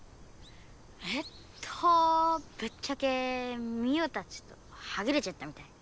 えっとぶっちゃけミオたちとはぐれちゃったみたい。